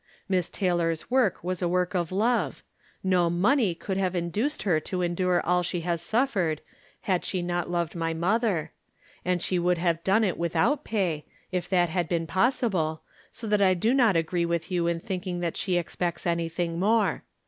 Miss Taylor's work was a work of love ; no money would have induced her to endure all she has suffered had she not loved my mother ; and she would have done it without pay, if that had been possible, so that I do not agree with you in thinldng that she expects anything more.